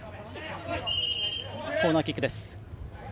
コーナーキックです。